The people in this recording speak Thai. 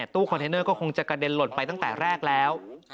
ตู้คอนเทนเนอร์ก็คงจะกระเด็นหล่นไปตั้งแต่แรกแล้ว